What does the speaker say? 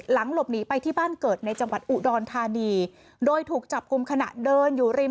หลังหลบหนีไปที่บ้านเกิดในจังหวัดอุดรธานีโดยถูกจับกลุ่มขณะเดินอยู่ริม